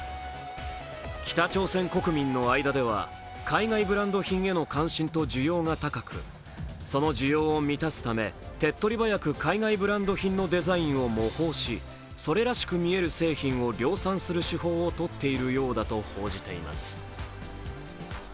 北朝鮮国民の間では海外ブランド品への関心と需要が高くその需要を満たすため手っとり早く海外ブランドのデザインを模倣し、それらしく見える製品を量産する手法をとっているようだと報じています。